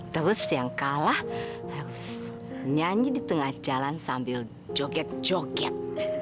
terus yang kalah harus nyanyi di tengah jalan sambil joget joget